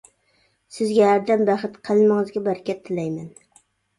سىزگە ھەردەم بەخت، قەلىمىڭىزگە بەرىكەت تىلەيمەن.